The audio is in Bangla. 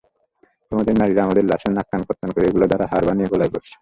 তোমাদের নারীরা আমাদের লাশের নাক-কান কর্তন করে এগুলো দ্বারা হার বানিয়ে গলায় পড়েছে।